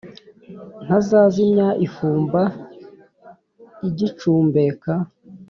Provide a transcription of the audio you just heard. ntazazimya ifumba igicumbeka,